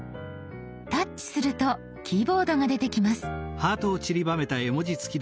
タッチするとキーボードが出てきます。